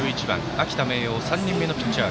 秋田・明桜の３人目のピッチャー